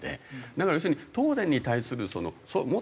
だから要するに東電に対するもっと奥から。